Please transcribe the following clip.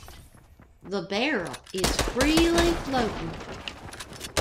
The barrel is freely floating.